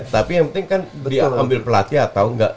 tapi yang penting kan diambil pelatih atau nggak